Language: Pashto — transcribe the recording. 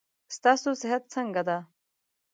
ستاسو صحت څنګه ده.